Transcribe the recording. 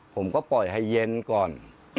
ผมก็ปล่อยให้เย็นก่อน